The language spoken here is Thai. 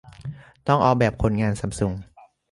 ต้องเอาแบบคนงานซัมซุง